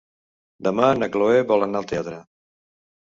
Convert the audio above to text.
Demà na Chloé vol anar al teatre.